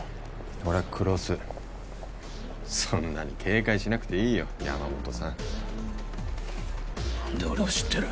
俺は黒須そんなに警戒しなくていいよ山本さん何で俺を知ってる？